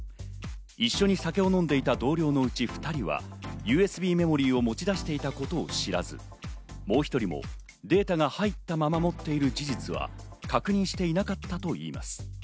一緒に酒を飲んでいた同僚のうち２人はＵＳＢメモリーを持ち出していたことを知らず、もう一人もデータが入ったまま持っている事実は確認していなかったといいます。